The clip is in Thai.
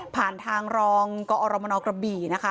ทางรองกอรมนกระบี่นะคะ